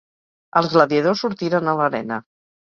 Els gladiadors sortiren a l'arena.